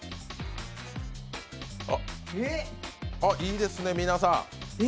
あ、いいですね、皆さん。